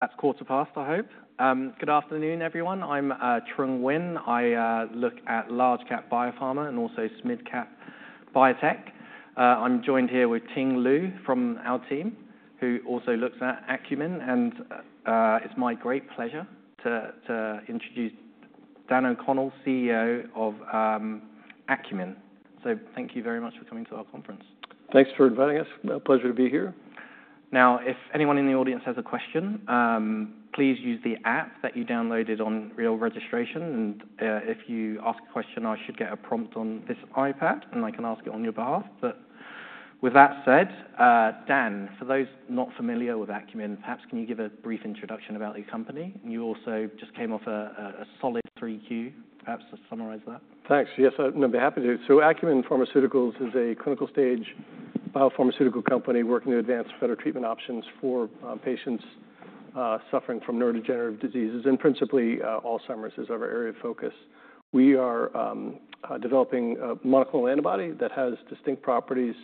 That's quarter past, I hope. Good afternoon, everyone. I'm Trung Huynh. I look at large-cap biopharma and also mid-cap biotech. I'm joined here with Ting Liu from our team, who also looks at Acumen, and it's my great pleasure to introduce Daniel O'Connell, CEO of Acumen, so thank you very much for coming to our conference. Thanks for inviting us. A pleasure to be here. Now, if anyone in the audience has a question, please use the app that you downloaded upon registration. If you ask a question, I should get a prompt on this iPad, and I can ask it on your behalf. But with that said, Dan, for those not familiar with Acumen, perhaps can you give a brief introduction about your company. You also just came off a solid 3Q. Perhaps to summarize that. Thanks. Yes, I'd be happy to. Acumen Pharmaceuticals is a clinical stage biopharmaceutical company working to advance better treatment options for patients suffering from neurodegenerative diseases. And principally, Alzheimer's is our area of focus. We are developing a monoclonal antibody that has distinct properties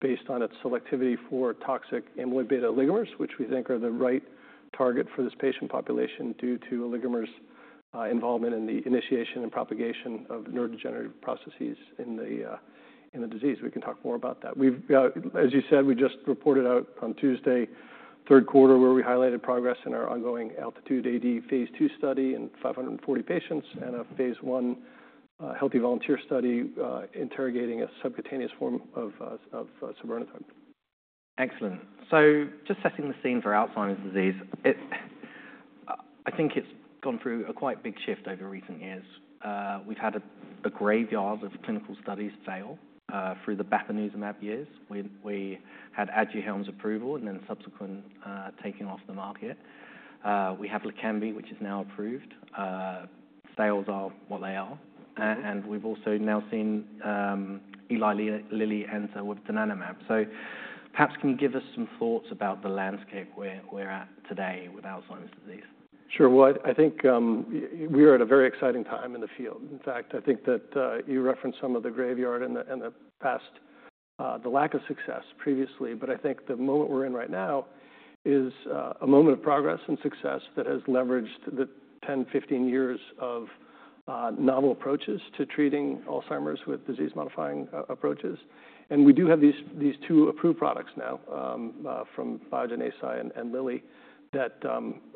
based on its selectivity for toxic amyloid beta oligomers, which we think are the right target for this patient population due to oligomer involvement in the initiation and propagation of neurodegenerative processes in the disease. We can talk more about that. As you said, we just reported out on Tuesday, third quarter, where we highlighted progress in our ongoing ALTITUDE-AD phase II study in 540 patients and a phase I healthy volunteer study interrogating a subcutaneous form of sabirnetug. Excellent. So just setting the scene for Alzheimer's disease, I think it's gone through a quite big shift over recent years. We've had a graveyard of clinical studies fail through the bapineuzumab years. We had Aduhelm's approval and then subsequent taking off the market. We have Leqembi, which is now approved. Sales are what they are. And we've also now seen Eli Lilly answer with donanemab. So perhaps can you give us some thoughts about the landscape we're at today with Alzheimer's disease? Sure. Well, I think we are at a very exciting time in the field. In fact, I think that you referenced some of the graveyard and the past, the lack of success previously. But I think the moment we're in right now is a moment of progress and success that has leveraged the 10, 15 years of novel approaches to treating Alzheimer's with disease-modifying approaches. And we do have these two approved products now from Biogen, Eisai, and Lilly that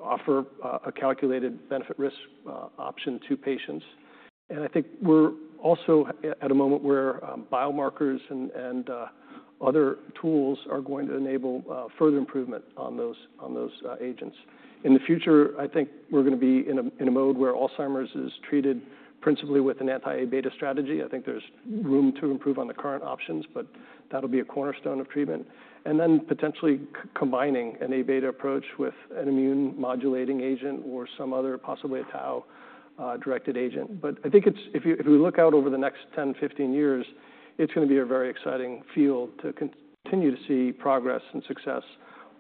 offer a calculated benefit-risk option to patients. And I think we're also at a moment where biomarkers and other tools are going to enable further improvement on those agents. In the future, I think we're going to be in a mode where Alzheimer's is treated principally with an anti-A beta strategy. I think there's room to improve on the current options, but that'll be a cornerstone of treatment. And then potentially combining an A beta approach with an immune modulating agent or some other, possibly a tau-directed agent. But I think if we look out over the next 10-15 years, it's going to be a very exciting field to continue to see progress and success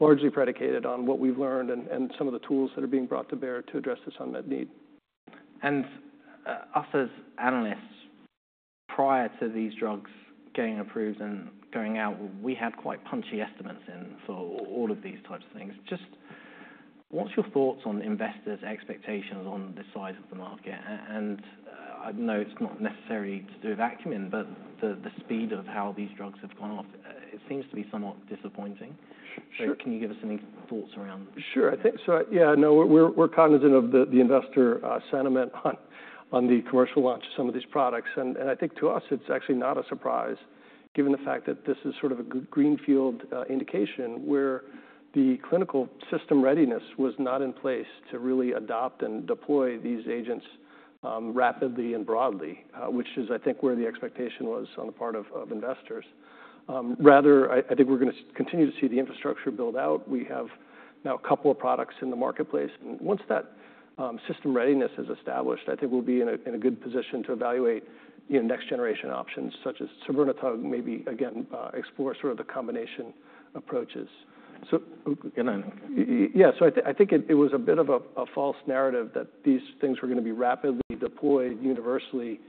largely predicated on what we've learned and some of the tools that are being brought to bear to address this unmet need. And us as analysts, prior to these drugs getting approved and going out, we had quite punchy estimates in for all of these types of things. Just what's your thoughts on investors' expectations on the size of the market? And I know it's not necessarily to do with Acumen, but the speed of how these drugs have gone off. It seems to be somewhat disappointing. So can you give us any thoughts around? Sure. I think so. Yeah, no, we're cognizant of the investor sentiment on the commercial launch of some of these products. And I think to us, it's actually not a surprise, given the fact that this is sort of a greenfield indication where the clinical system readiness was not in place to really adopt and deploy these agents rapidly and broadly, which is, I think, where the expectation was on the part of investors. Rather, I think we're going to continue to see the infrastructure build out. We have now a couple of products in the marketplace. And once that system readiness is established, I think we'll be in a good position to evaluate next-generation options, such as sabirnetug, maybe again explore sort of the combination approaches. So yeah, so I think it was a bit of a false narrative that these things were going to be rapidly deployed universally,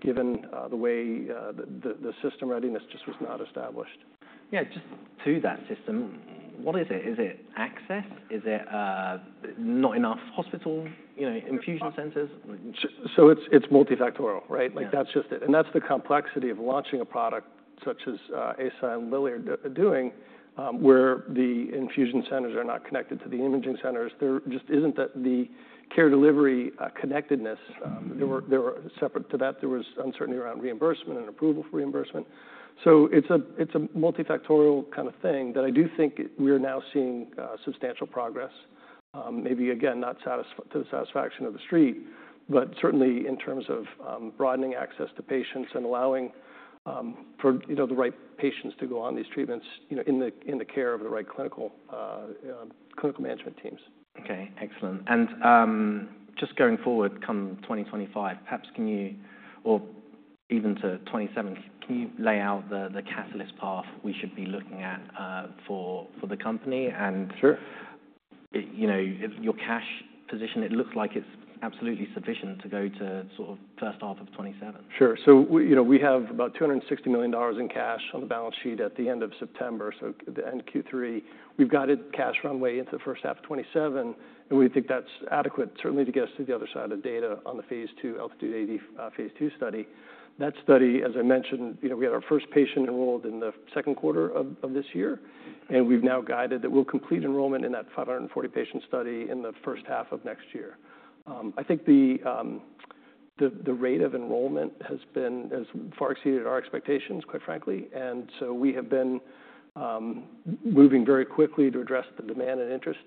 given the way the system readiness just was not established. Yeah. Just to that system, what is it? Is it access? Is it not enough hospital infusion centers? So it's multifactorial, right? And that's the complexity of launching a product such as Eisai and Lilly are doing, where the infusion centers are not connected to the imaging centers. There just isn't the care delivery connectedness. Separate to that, there was uncertainty around reimbursement and approval for reimbursement. So it's a multifactorial kind of thing that I do think we're now seeing substantial progress, maybe again, not to the satisfaction of the street, but certainly in terms of broadening access to patients and allowing for the right patients to go on these treatments in the care of the right clinical management teams. Okay, excellent. And just going forward, come 2025, perhaps can you, or even to 2027, can you lay out the catalyst path we should be looking at for the company? And your cash position, it looks like it's absolutely sufficient to go to sort of first half of 2027. Sure. So we have about $260 million in cash on the balance sheet at the end of September, so end Q3. We've guided cash runway into the first half of 2027, and we think that's adequate, certainly to get us to the other side of data on the phase II ALTITUDE-AD phase II study. That study, as I mentioned, we had our first patient enrolled in the second quarter of this year, and we've now guided that we'll complete enrollment in that 540 patient study in the first half of next year. I think the rate of enrollment has been far exceeded our expectations, quite frankly. And so we have been moving very quickly to address the demand and interest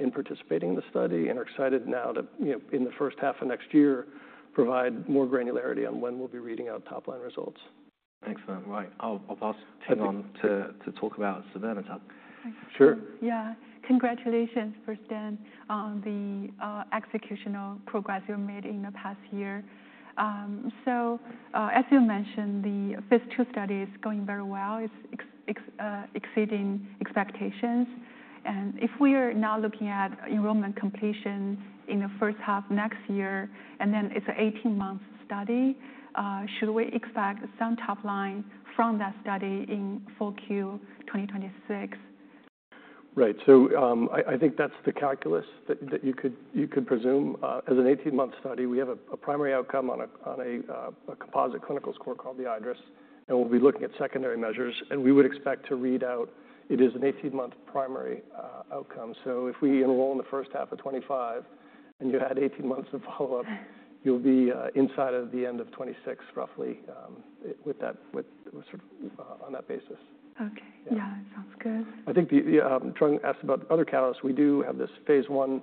in participating in the study and are excited now to, in the first half of next year, provide more granularity on when we'll be reading out top-line results. Excellent. Right. I'll pass Ting on to talk about sabirnetug. Sure. Yeah. Congratulations for Stan on the executional progress you made in the past year, so as you mentioned, the phase II study is going very well. It's exceeding expectations, and if we are now looking at enrollment completion in the first half next year, and then it's an 18-month study, should we expect some top-line from that study in full Q2026? Right. So I think that's the calculus that you could presume. As an 18-month study, we have a primary outcome on a composite clinical score called the iADRS, and we'll be looking at secondary measures, and we would expect to read out. It is an 18-month primary outcome, so if we enroll in the first half of 2025 and you had 18 months of follow-up, you'll be inside of the end of 2026, roughly, on that basis. Okay. Yeah, that sounds good. I think Trung asked about other catalysts. We do have this phase I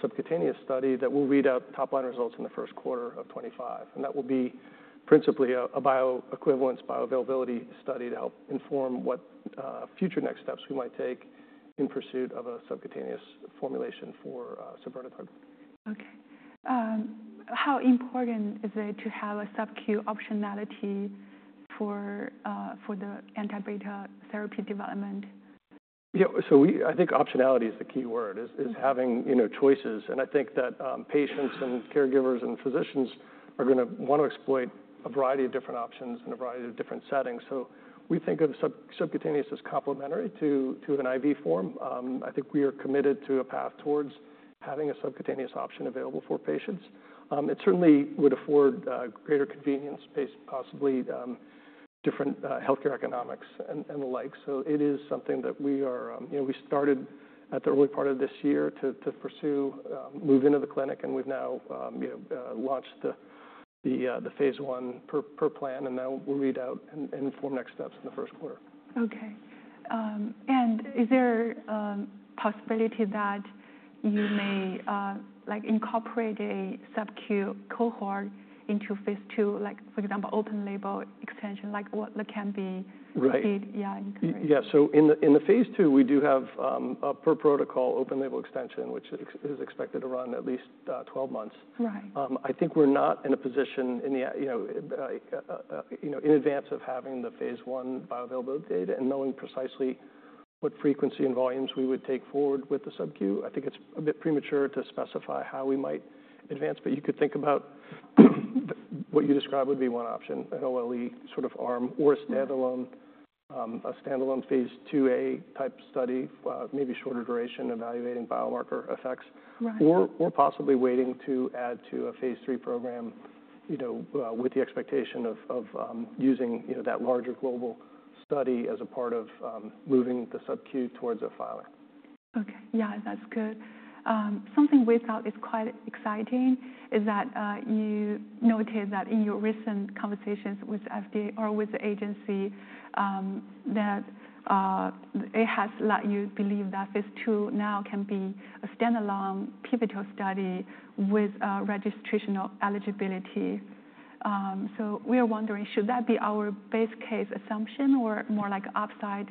subcutaneous study that will read out top-line results in the first quarter of 2025. That will be principally a bioequivalence, bioavailability study to help inform what future next steps we might take in pursuit of a subcutaneous formulation for sabirnetug. Okay. How important is it to have a sub-Q optionality for the anti-beta therapy development? Yeah. So I think optionality is the key word, is having choices. And I think that patients and caregivers and physicians are going to want to exploit a variety of different options in a variety of different settings. So we think of subcutaneous as complementary to an IV form. I think we are committed to a path towards having a subcutaneous option available for patients. It certainly would afford greater convenience, possibly different healthcare economics and the like. So it is something that we started at the early part of this year to pursue, move into the clinic, and we've now launched the phase I per plan. And now we'll read out and inform next steps in the first quarter. Okay. And is there a possibility that you may incorporate a sub-Q cohort into phase II, like for example, open label extension, like what Leqembi? Right. Yeah. So in the phase II, we do have per protocol open label extension, which is expected to run at least 12 months. I think we're not in a position in advance of having the phase I bioavailability data and knowing precisely what frequency and volumes we would take forward with the sub-Q. I think it's a bit premature to specify how we might advance, but you could think about what you describe would be one option, an OLE sort of arm, or a standalone phase II-A-type study, maybe shorter duration, evaluating biomarker effects, or possibly waiting to add to a phase III program with the expectation of using that larger global study as a part of moving the sub-Q towards a filing. Okay. Yeah, that's good. Something we thought is quite exciting is that you noted that in your recent conversations with FDA or with the agency that it has led you to believe that phase II now can be a standalone pivotal study with registration eligibility. So we are wondering, should that be our base case assumption or more like an upside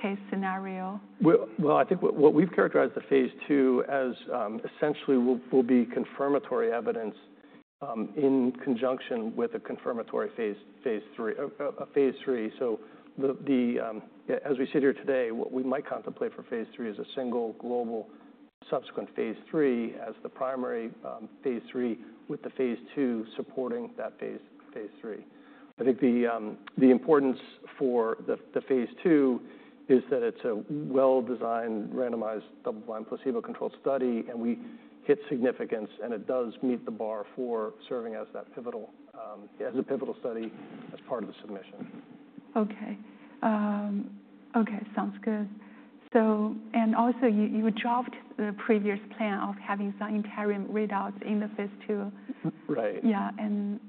case scenario? I think what we've characterized the phase II as essentially will be confirmatory evidence in conjunction with a confirmatory phase III. As we sit here today, what we might contemplate for phase III is a single global subsequent phase III as the primary phase III, with the phase II supporting that phase III. I think the importance for the phase II is that it's a well-designed, randomized, double-blind placebo-controlled study, and we hit significance, and it does meet the bar for serving as a pivotal study as part of the submission. Okay. Okay, sounds good, and also you dropped the previous plan of having some interim readouts in the phase II. Right. Yeah. And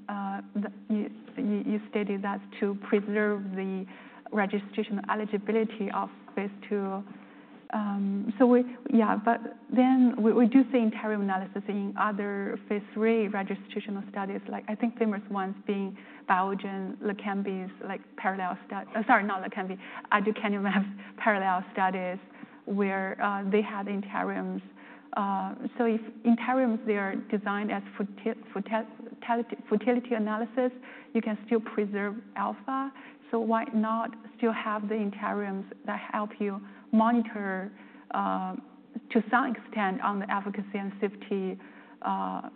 you stated that to preserve the registration eligibility of phase II. So yeah, but then we do see interim analysis in other phase III registration studies, like I think famous ones being Biogen, Leqembi's parallel study. Sorry, not Leqembi. Aduhelm has parallel studies where they had interims. So if interims they are designed as futility analysis, you can still preserve alpha. So why not still have the interims that help you monitor to some extent on the efficacy and safety?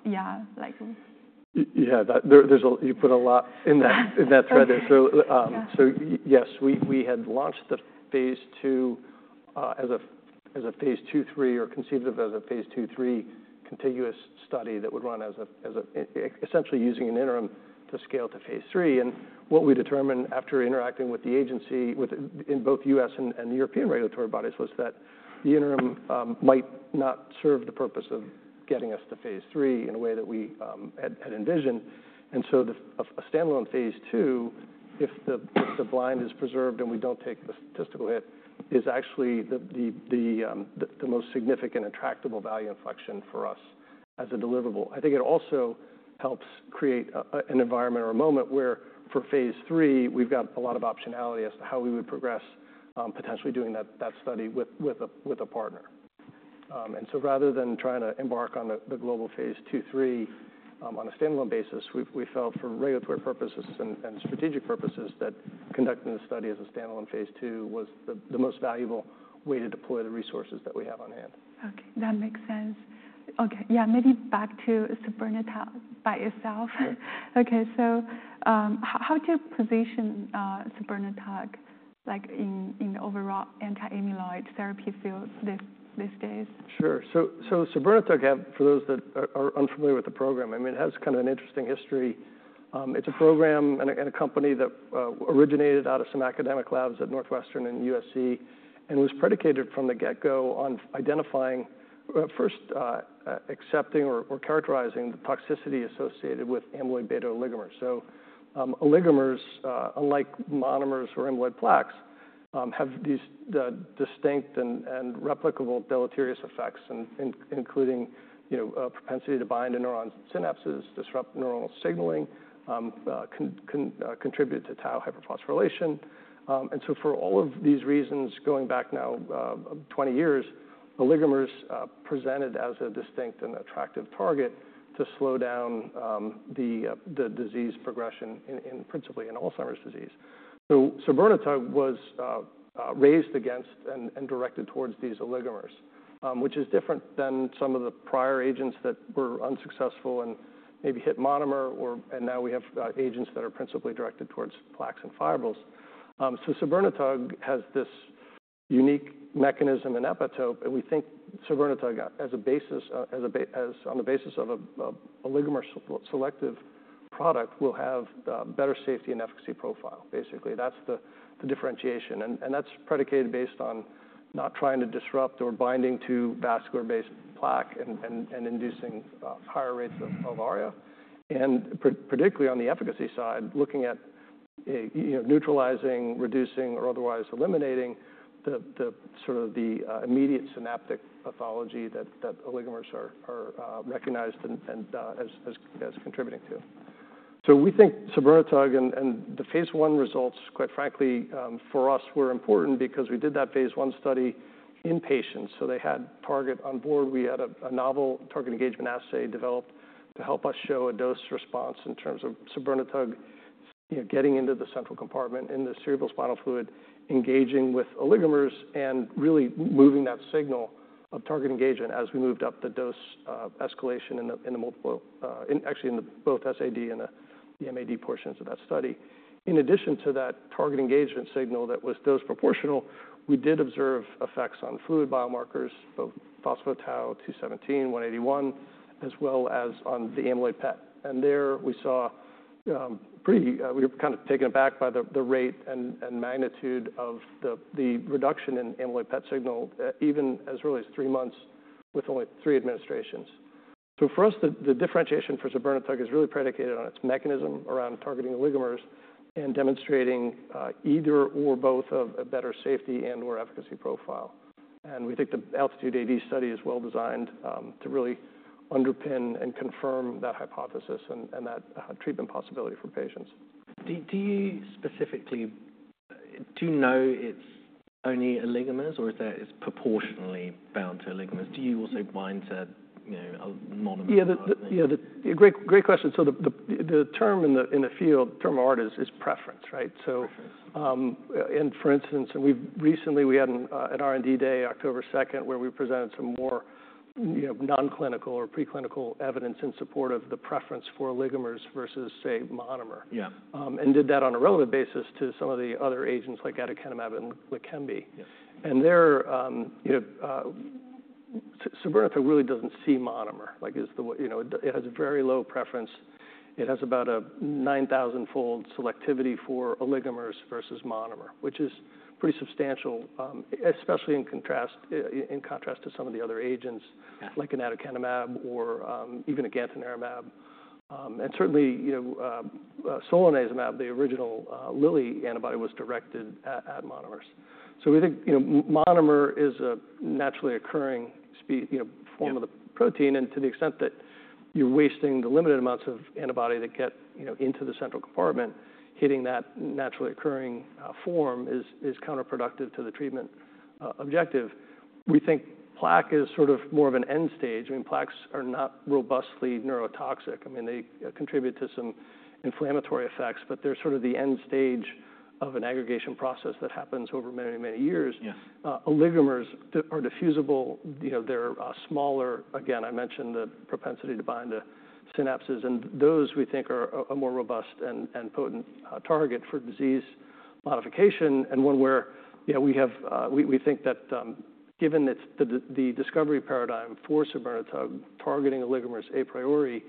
Yeah. Yeah, you put a lot in that thread there. So yes, we had launched the phase II as a phase II/III, or conceived of as a phase II/III contiguous study that would run as essentially using an interim to scale to phase III. And what we determined after interacting with the agency in both U.S. and European regulatory bodies was that the interim might not serve the purpose of getting us to phase III in a way that we had envisioned. And so a standalone phase II, if the blind is preserved and we don't take the statistical hit, is actually the most significant attractive value inflection for us as a deliverable. I think it also helps create an environment or a moment where for phase III, we've got a lot of optionality as to how we would progress potentially doing that study with a partner. And so rather than trying to embark on the global phase II/III, on a standalone basis, we felt for regulatory purposes and strategic purposes that conducting the study as a standalone phase II was the most valuable way to deploy the resources that we have on hand. Okay, that makes sense. Okay, yeah, maybe back to sabirnetug by itself. Okay, so how do you position sabirnetug in the overall anti-amyloid therapy field these days? Sure. So sabirnetug, for those that are unfamiliar with the program, I mean, it has kind of an interesting history. It's a program and a company that originated out of some academic labs at Northwestern and USC and was predicated from the get-go on identifying, first accepting or characterizing the toxicity associated with amyloid beta oligomers. So oligomers, unlike monomers or amyloid plaques, have these distinct and replicable deleterious effects, including propensity to bind to neuron synapses, disrupt neuronal signaling, contribute to tau hyperphosphorylation. And so for all of these reasons, going back now 20 years, oligomers presented as a distinct and attractive target to slow down the disease progression in principally in Alzheimer's disease. So sabirnetug was raised against and directed towards these oligomers, which is different than some of the prior agents that were unsuccessful and maybe hit monomer. And now we have agents that are principally directed towards plaques and fibrils. So sabirnetug has this unique mechanism and epitope. And we think sabirnetug, on the basis of an oligomer selective product, will have a better safety and efficacy profile. Basically, that's the differentiation. And that's predicated based on not trying to disrupt or binding to vascular-based plaque and inducing higher rates of ARIA. And particularly on the efficacy side, looking at neutralizing, reducing, or otherwise eliminating sort of the immediate synaptic pathology that oligomers are recognized as contributing to. So we think sabirnetug and the phase I results, quite frankly, for us, were important because we did that phase I study in patients. So they had target on board. We had a novel target engagement assay developed to help us show a dose response in terms of sabirnetug getting into the central compartment in the cerebrospinal fluid, engaging with oligomers, and really moving that signal of target engagement as we moved up the dose escalation in the multiple, actually in both SAD and the MAD portions of that study. In addition to that target engagement signal that was dose proportional, we did observe effects on fluid biomarkers, both phospho-tau 217, 181, as well as on the amyloid PET. And there we saw pretty, we were kind of taken aback by the rate and magnitude of the reduction in amyloid PET signal even as early as three months with only three administrations. For us, the differentiation for sabirnetug is really predicated on its mechanism around targeting oligomers and demonstrating either or both of a better safety and/or efficacy profile. We think the ALTITUDE-AD study is well designed to really underpin and confirm that hypothesis and that treatment possibility for patients. Do you specifically know it's only oligomers, or is that proportionally bound to oligomers? Do you also bind to monomers? Yeah, great question. So the term in the field, the term of art, is preference, right? And for instance, recently we had an R&D day, October 2nd, where we presented some more nonclinical or preclinical evidence in support of the preference for oligomers versus, say, monomer. And did that on a relative basis to some of the other agents like aducanumab and Leqembi. And there, sabirnetug really doesn't see monomer. It has very low preference. It has about a 9,000-fold selectivity for oligomers versus monomer, which is pretty substantial, especially in contrast to some of the other agents like an aducanumab or even a gantenerumab. And certainly, solanezumab, the original Lilly antibody, was directed at monomers. So we think monomer is a naturally occurring form of the protein. To the extent that you're wasting the limited amounts of antibody that get into the central compartment, hitting that naturally occurring form is counterproductive to the treatment objective. We think plaque is sort of more of an end stage. I mean, plaques are not robustly neurotoxic. I mean, they contribute to some inflammatory effects, but they're sort of the end stage of an aggregation process that happens over many, many years. Oligomers are diffusible. They're smaller. Again, I mentioned the propensity to bind to synapses. And those we think are a more robust and potent target for disease modification. And one where we think that given the discovery paradigm for sabirnetug, targeting oligomers a priori,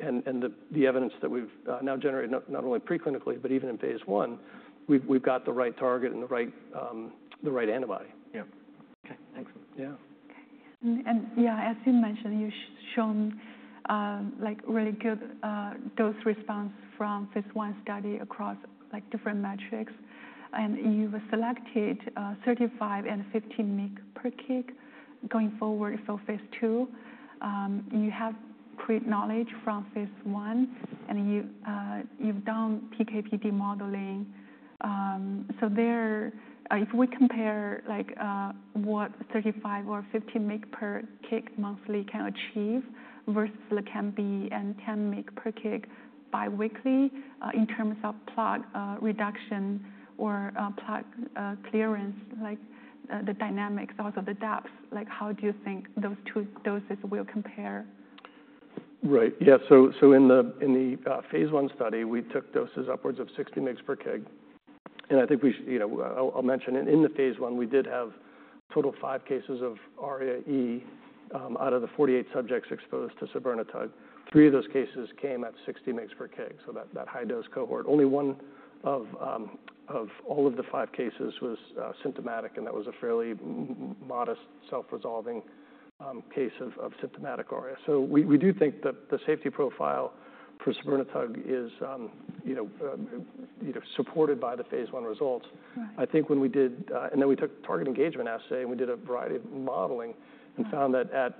and the evidence that we've now generated not only preclinically, but even in phase I, we've got the right target and the right antibody. Yeah. Okay, excellent. Yeah. And yeah, as you mentioned, you've shown really good dose response from phase I study across different metrics. And you were selected 35 mEq and 50 mEq/kg going forward for phase II. You have great knowledge from phase I, and you've done PK/PD modeling. So if we compare what 35 mEq or 50 mEq/kg monthly can achieve versus Leqembi and 10 mEq/kg biweekly in terms of plaque reduction or plaque clearance, the dynamics, also the depth, how do you think those two doses will compare? Right. Yeah. So in the phase I study, we took doses upwards of 60 mEq/kg. And I think I'll mention in the phase I, we did have a total of five cases of ARIA-E out of the 48 subjects exposed to sabirnetug. Three of those cases came at 60 mEq/kg, so that high-dose cohort. Only one of all of the five cases was symptomatic, and that was a fairly modest self-resolving case of symptomatic ARIA. So we do think that the safety profile for sabirnetug is supported by the phase I results. I think when we did, and then we took a target engagement assay, and we did a variety of modeling and found that at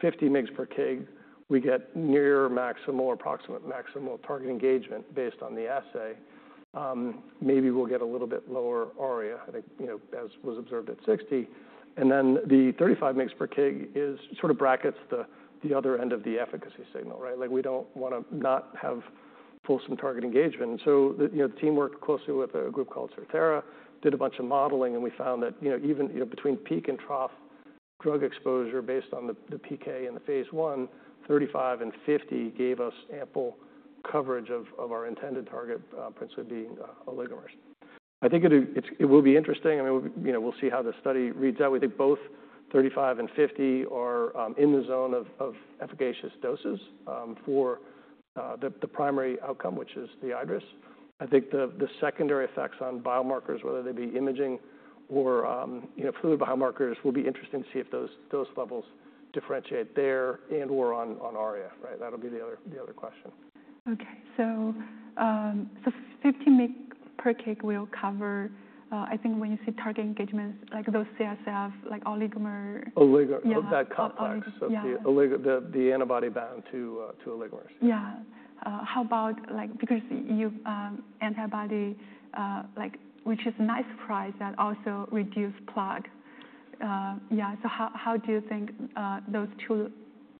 50 mEq/kg, we get near maximal or approximate maximal target engagement based on the assay. Maybe we'll get a little bit lower ARIA, I think, as was observed at 60 mEq/kg, and then the 35 mEq/kg sort of brackets the other end of the efficacy signal, right? We don't want to not have fulsome target engagement. So the team worked closely with a group called Certara, did a bunch of modeling, and we found that even between peak and trough drug exposure based on the PK and the phase I, 35 and 50 gave us ample coverage of our intended target, principally being oligomers. I think it will be interesting. I mean, we'll see how the study reads out. We think both 35 and 50 are in the zone of efficacious doses for the primary outcome, which is the iADRS. I think the secondary effects on biomarkers, whether they be imaging or fluid biomarkers, will be interesting to see if those levels differentiate there and/or on ARIA, right? That'll be the other question. Okay. So 50 mEq/kg will cover, I think, when you say target engagements, like those CSF, like oligomer. Oligomer, that complex. Oligomer complex. The antibody bound to oligomers. How about, because antibody, which is a nice price that also reduces plaque. So how do you think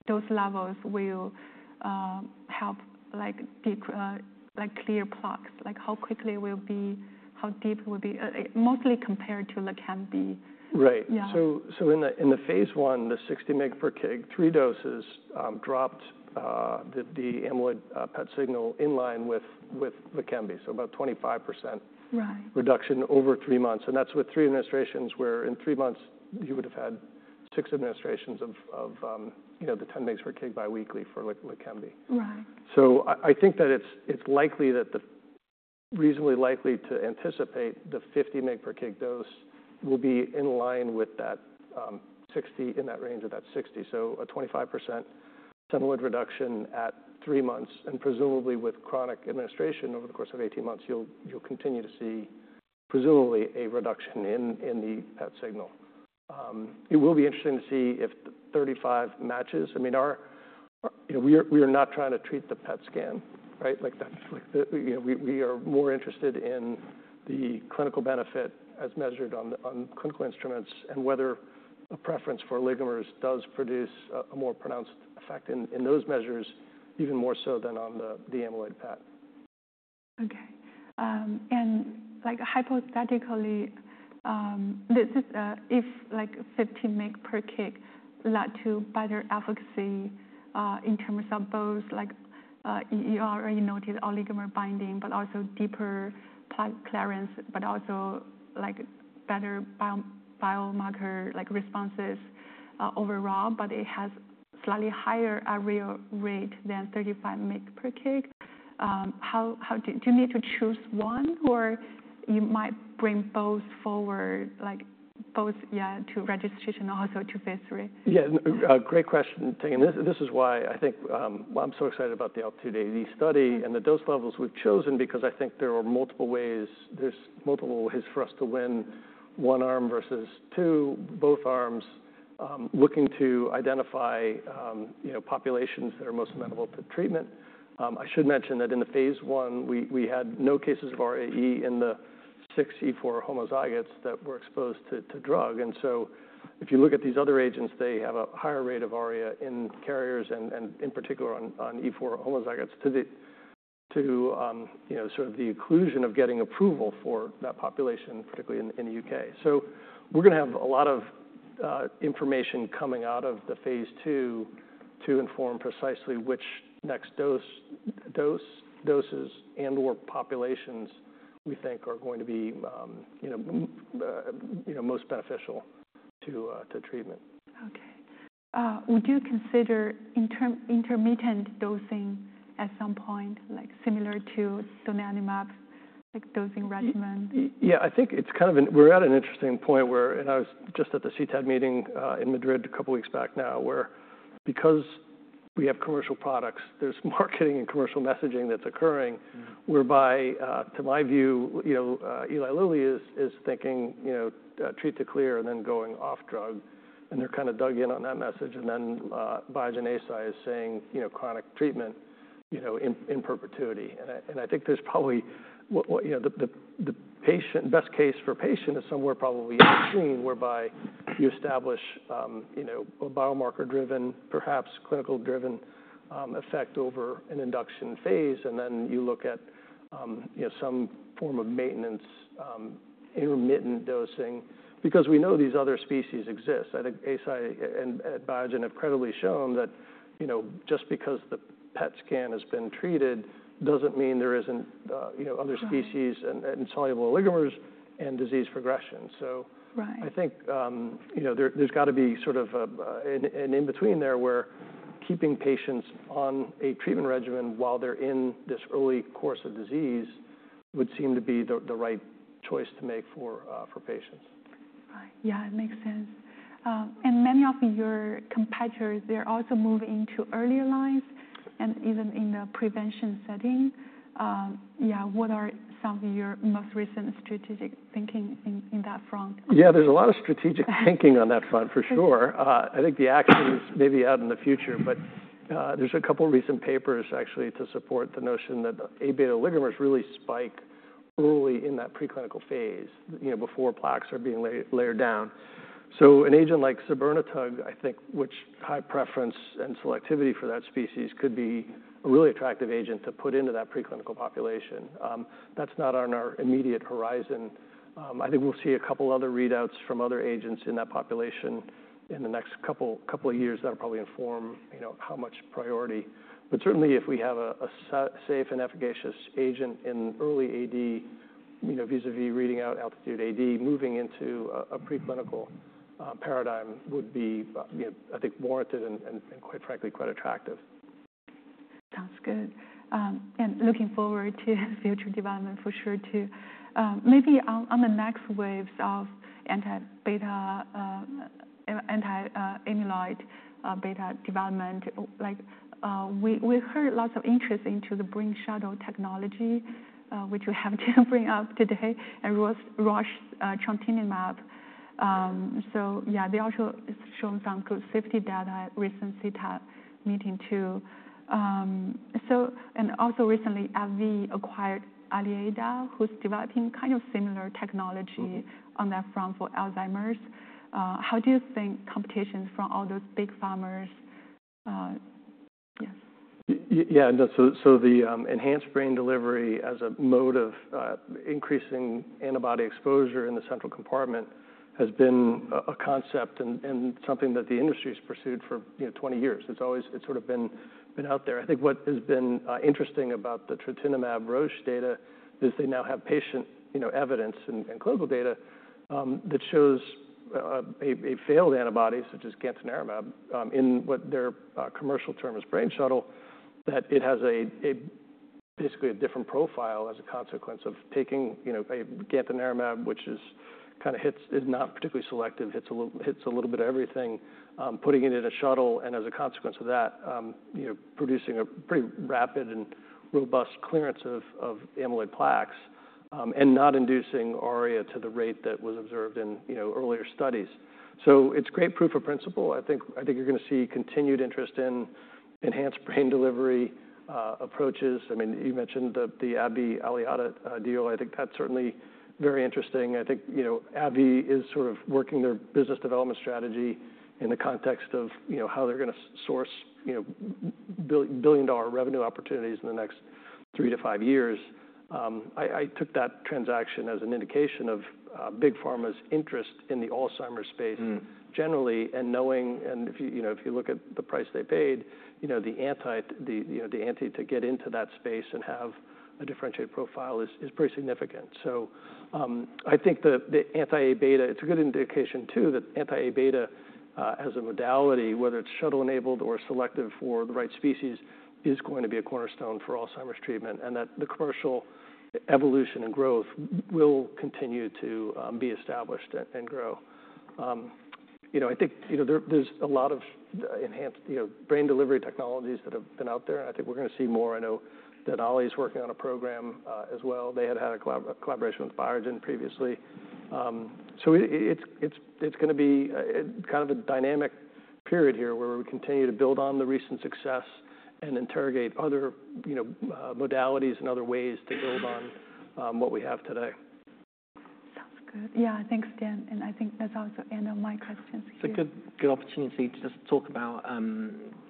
those levels will help clear plaques? How quickly will it be, how deep will it be, mostly compared to Leqembi? Right. So in the phase I, the 60 mEq/kg, three doses dropped the amyloid PET signal in line with Leqembi, so about 25% reduction over three months. And that's with three administrations where in three months, you would have had six administrations of the 10 mEq/kg biweekly for Leqembi. So I think that it's likely that the reasonably likely to anticipate the 50 mEq/kg dose will be in line with that 60 in that range of that 60. So a 25% amyloid reduction at three months. And presumably with chronic administration over the course of 18 months, you'll continue to see presumably a reduction in the PET signal. It will be interesting to see if 35 matches. I mean, we are not trying to treat the PET scan, right? We are more interested in the clinical benefit as measured on clinical instruments and whether a preference for oligomers does produce a more pronounced effect in those measures, even more so than on the amyloid PET. Okay. And hypothetically, if 50 mEq/kg led to better efficacy in terms of both, you already noted oligomer binding, but also deeper plaque clearance, but also better biomarker responses overall, but it has slightly higher ARIA rate than 35 mEq/kg. Do you need to choose one, or you might bring both forward, both, yeah, to registration and also to phase III? Yeah. Great question, Ting. This is why I think I'm so excited about the ALTITUDE-AD study and the dose levels we've chosen, because I think there are multiple ways, there's multiple ways for us to win one arm versus two, both arms, looking to identify populations that are most amenable to treatment. I should mention that in the phase I, we had no cases of ARIA-E in the six E4 homozygotes that were exposed to drug. And so if you look at these other agents, they have a higher rate of ARIA in carriers, and in particular on E4 homozygotes to sort of the inclusion of getting approval for that population, particularly in the U.K. So we're going to have a lot of information coming out of the phase II to inform precisely which next doses and/or populations we think are going to be most beneficial to treatment. Okay. Would you consider intermittent dosing at some point, similar to donanemab dosing regimen? Yeah, I think it's kind of, we're at an interesting point where, and I was just at the CTAD meeting in Madrid a couple of weeks back now, where because we have commercial products, there's marketing and commercial messaging that's occurring, whereby, to my view, Eli Lilly is thinking treat to clear and then going off drug. And they're kind of dug in on that message. And then Biogen and Eisai is saying chronic treatment in perpetuity. And I think there's probably the best case for patient is somewhere probably in between, whereby you establish a biomarker-driven, perhaps clinical-driven effect over an induction phase. And then you look at some form of maintenance intermittent dosing, because we know these other species exist. I think Eisai and Biogen have credibly shown that just because the PET scan has been treated doesn't mean there isn't other species and soluble oligomers and disease progression. I think there's got to be sort of an in-between there where keeping patients on a treatment regimen while they're in this early course of disease would seem to be the right choice to make for patients. Right. Yeah, it makes sense. And many of your competitors, they're also moving into earlier lines and even in the prevention setting. Yeah, what are some of your most recent strategic thinking in that front? Yeah, there's a lot of strategic thinking on that front, for sure. I think the action is maybe out in the future, but there's a couple of recent papers actually to support the notion that A beta oligomers really spike early in that preclinical phase before plaques are being layered down. So an agent like sabirnetug, I think, which high preference and selectivity for that species could be a really attractive agent to put into that preclinical population. That's not on our immediate horizon. I think we'll see a couple of other readouts from other agents in that population in the next couple of years that'll probably inform how much priority. But certainly, if we have a safe and efficacious agent in early AD, vis-à-vis reading out ALTITUDE-AD, moving into a preclinical paradigm would be, I think, warranted and quite frankly, quite attractive. Sounds good. And looking forward to future development for sure, too. Maybe on the next waves of anti-amyloid beta development, we heard lots of interest into the Brain Shuttle technology, which we haven't yet bring up today, and Roche trontinemab. So yeah, they also showed some good safety data at recent CTAD meeting, too. And also recently, AbbVie acquired Aliada, who's developing kind of similar technology on that front for Alzheimer's. How do you think competition from all those big pharma? Yes. Yeah. So the enhanced brain delivery as a mode of increasing antibody exposure in the central compartment has been a concept and something that the industry has pursued for 20 years. It's always sort of been out there. I think what has been interesting about the trontinemab Roche data is they now have patient evidence and clinical data that shows a failed antibody, such as gantenerumab, in what their commercial term is Brain Shuttle, that it has basically a different profile as a consequence of taking a gantenerumab, which kind of is not particularly selective, hits a little bit of everything, putting it in a shuttle, and as a consequence of that, producing a pretty rapid and robust clearance of amyloid plaques and not inducing ARIA to the rate that was observed in earlier studies. So it's great proof of principle. I think you're going to see continued interest in enhanced brain delivery approaches. I mean, you mentioned the AbbVie Aliada deal. I think that's certainly very interesting. I think AbbVie is sort of working their business development strategy in the context of how they're going to source billion-dollar revenue opportunities in the next three to five years. I took that transaction as an indication of big pharma's interest in the Alzheimer's space generally, and knowing, and if you look at the price they paid, the ante to get into that space and have a differentiated profile is pretty significant. So I think the anti-A beta, it's a good indication, too, that anti-A beta as a modality, whether it's shuttle-enabled or selective for the right species, is going to be a cornerstone for Alzheimer's treatment, and that the commercial evolution and growth will continue to be established and grow. I think there's a lot of enhanced brain delivery technologies that have been out there, and I think we're going to see more. I know Denali is working on a program as well. They had had a collaboration with Biogen previously. So it's going to be kind of a dynamic period here where we continue to build on the recent success and interrogate other modalities and other ways to build on what we have today. Sounds good. Yeah, thanks, Dan. And I think that's also the end of my questions here. It's a good opportunity to just talk about,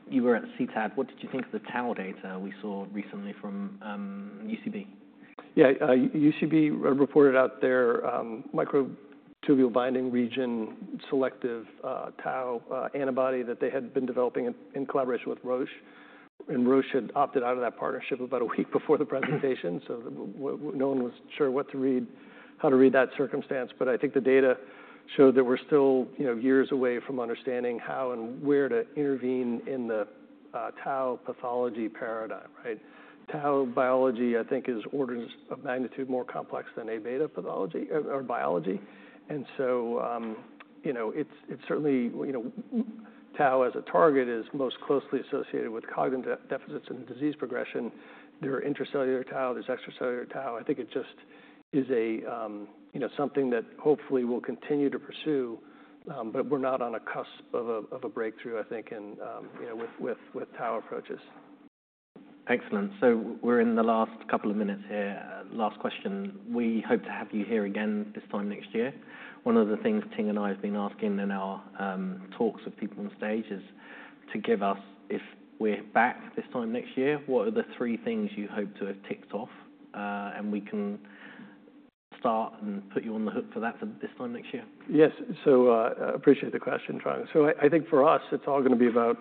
you were at CTAD. What did you think of the tau data we saw recently from UCB? Yeah, UCB reported out their microtubule binding region selective tau antibody that they had been developing in collaboration with Roche. And Roche had opted out of that partnership about a week before the presentation, so no one was sure how to read that circumstance. But I think the data showed that we're still years away from understanding how and where to intervene in the tau pathology paradigm, right? Tau biology, I think, is orders of magnitude more complex than A beta pathology or biology. And so it's certainly tau as a target is most closely associated with cognitive deficits and disease progression. There are intracellular tau, there's extracellular tau. I think it just is something that hopefully we'll continue to pursue, but we're not on a cusp of a breakthrough, I think, with tau approaches. Excellent. So we're in the last couple of minutes here. Last question. We hope to have you here again this time next year. One of the things Ting and I have been asking in our talks with people on stage is to give us, if we're back this time next year, what are the three things you hope to have ticked off, and we can start and put you on the hook for that this time next year? Yes, so I appreciate the question, Trung, so I think for us, it's all going to be about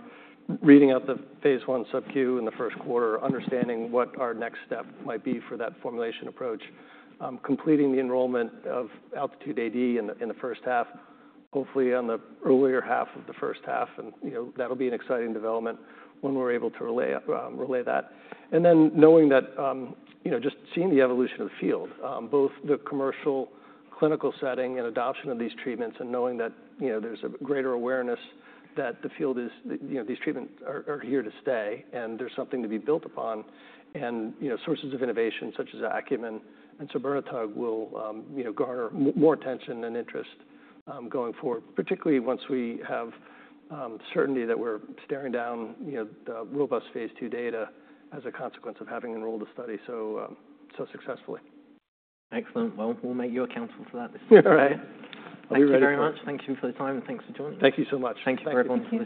reading out the phase I subQ in the first quarter, understanding what our next step might be for that formulation approach, completing the enrollment of ALTITUDE-AD in the first half, hopefully on the earlier half of the first half, and that'll be an exciting development when we're able to relay that, and then knowing that, just seeing the evolution of the field, both the commercial clinical setting and adoption of these treatments, and knowing that there's a greater awareness that the field is, these treatments are here to stay, and there's something to be built upon. Sources of innovation such as Acumen and sabirnetug will garner more attention and interest going forward, particularly once we have certainty that we're staring down robust phase II data as a consequence of having enrolled a study so successfully. Excellent. We'll make you accountable for that this time. All right. Thank you very much. Thank you for the time, and thanks for joining us. Thank you so much. Thank you, everyone.